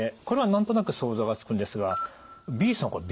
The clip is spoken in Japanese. これは何となく想像がつくんですがＢさん